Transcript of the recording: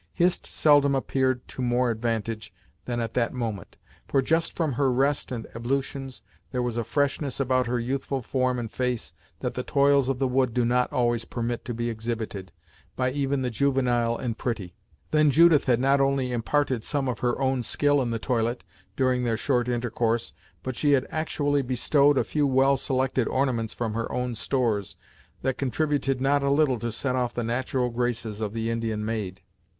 Hist seldom appeared to more advantage than at that moment, for just from her rest and ablutions, there was a freshness about her youthful form and face that the toils of the wood do not always permit to be exhibited, by even the juvenile and pretty. Then Judith had not only imparted some of her own skill in the toilet, during their short intercourse, but she had actually bestowed a few well selected ornaments from her own stores, that contributed not a little to set off the natural graces of the Indian maid.